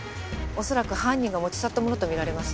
恐らく犯人が持ち去ったものとみられます。